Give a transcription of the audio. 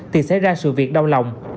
thì xảy ra sự việc đau lòng